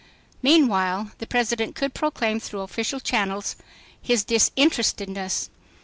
Meanwhile the President could proclaim through official channels his disinterestedness.